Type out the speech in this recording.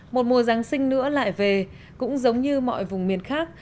một mùa giáng sinh nữa lại về cũng giống như mọi vùng miền khác